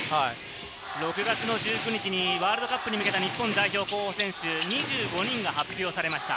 ６月の１９日にワールドカップに向けた日本代表候補選手２５人が発表されました。